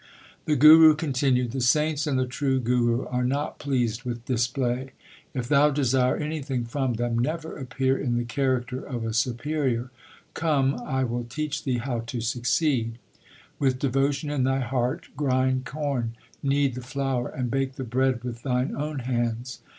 1 The Guru continued: The saints and the true Guru are not pleased with display. If thou desire anything from them, never appear in the character of a superior. Come, I will teach thee how to suc ceed. With devotion in thy heart grind corn, knead the flour, and bake the bread with thine own hands.